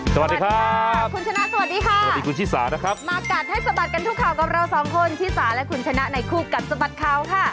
สวัสดีค่ะคุณชนะสวัสดีค่ะสวัสดีคุณชิสานะครับมากัดให้สะบัดกันทุกข่าวกับเราสองคนชิสาและคุณชนะในคู่กัดสะบัดข่าวค่ะ